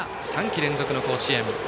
３季連続の甲子園。